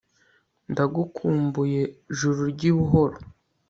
ndagukumbuye juru ry'ibuhoro